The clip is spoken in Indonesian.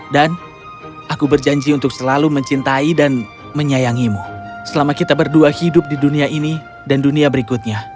dan aku berjanji untuk selalu mencintai dan menyayangimu selama kita berdua hidup di dunia ini dan dunia berikutnya